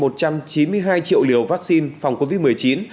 một trăm chín mươi hai triệu liều vaccine phòng covid một mươi chín